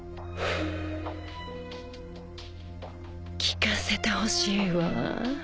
聞かせてほしいわ。